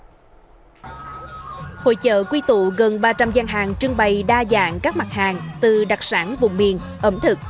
hội chợ quy tụ gần ba trăm linh gian hàng trưng bày đa dạng các mặt hàng từ đặc sản vùng miền ẩm thực